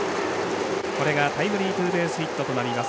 これがタイムリーツーベースヒットとなります。